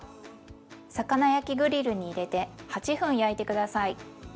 魚焼きグリルに入れて８分焼いて下さい。